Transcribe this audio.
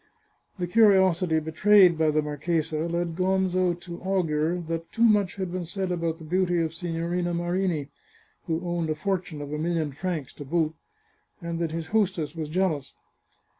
The curiosity betrayed by the marchesa led Gonzo to augur that too much had been said about the beauty of Si gnorina Marini, who owned a fortune of a million francs to boot, and that his hostess was jealous.